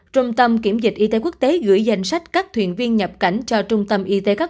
trung tâm kiểm dịch y tế quốc tế gửi danh sách các thuyền viên nhập cảnh cho trung tâm y tế các